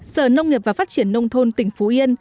sở nông nghiệp và phát triển nông thôn tỉnh phú yên